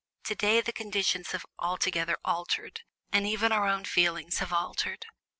Today the conditions have altogether altered, and even our own feelings have altered.